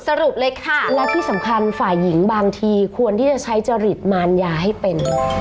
สรุปเลยค่ะและที่สำคัญฝ่ายหญิงบางทีควรที่จะใช้จริตมารยาให้เป็น